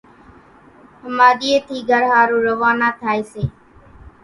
ۿماڌِيئين ٿي گھر ۿارُو روانا ٿائيَ سي